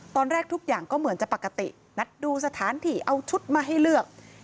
ตอนแรกทุกอย่างก็เหมือนจะปกตินัดดูสถานที่เอาชุดมาให้เลือก